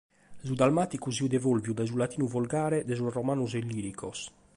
Su dalmàticu si fiat evòlvidu dae su latinu vulgare de sos romanos illìricos.